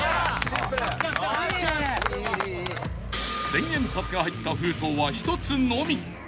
［千円札が入った封筒は１つのみ］